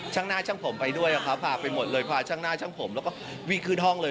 ช่างหน้าช่างผมแล้วก็วิ่งขึ้นห้องเลย